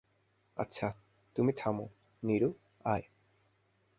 আচ্ছা, তুমি থামো, নীরু আয়!